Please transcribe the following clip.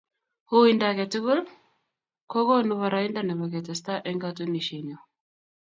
Uindo age tugul kokoonu boroindo nebo ketestaai eng katunisienyoo